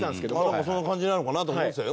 でもそんな感じなのかなと思ってたよ。